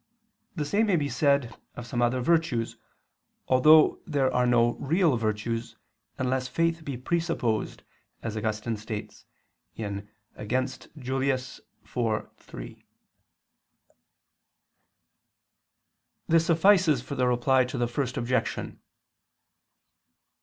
The same may be said of some other virtues, although there are no real virtues, unless faith be presupposed, as Augustine states (Contra Julian. iv, 3). This suffices for the Reply to the First Objection.